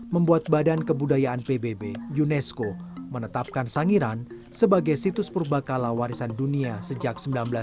membuat badan kebudayaan pbb unesco menetapkan sangiran sebagai situs purba kala warisan dunia sejak seribu sembilan ratus sembilan puluh